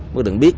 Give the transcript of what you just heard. đối tượng biết